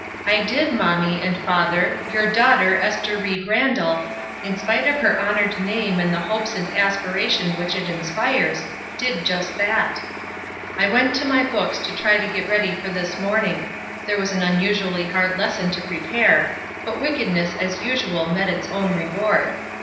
I did, mommy, and father, your daughter, Ester Ried Randall, in spite of her honored name and the hopes and 74 ESTER RIED'S NAMESAKE aspirations which it inspires, did just that. I went to my books to try to get ready for this morning, there was an unusually hard lesson to prepare, but wickedness as usual met its own reward.